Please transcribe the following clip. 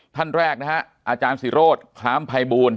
ท่านแรกนะฮะอาจารย์ศิโรธคล้ามภัยบูล